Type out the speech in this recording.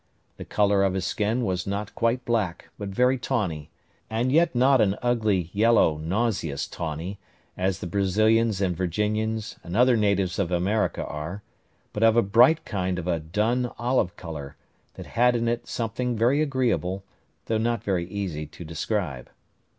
The colour of his skin was not quite black, but very tawny; and yet not an ugly, yellow, nauseous tawny, as the Brazilians and Virginians, and other natives of America are, but of a bright kind of a dun olive colour, that had in it something very agreeable, though not very easy to describe.